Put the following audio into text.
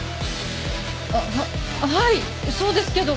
あっははいそうですけど。